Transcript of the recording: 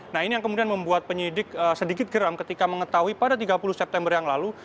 nah ini yang kemudian membuat penyidik sedikit geram ketika mengetahui pada tiga puluh september yang lalu